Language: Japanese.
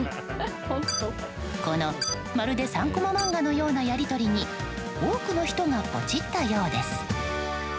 この、まるで３コマ漫画のようなやり取りに多くの人がポチったようです。